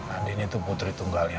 andin itu putri tunggalnya